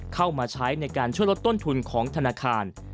เข้ามาใช้ในการช่วยลดต้นทุนของธนาคาร